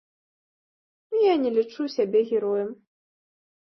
Я не лічу сябе героем.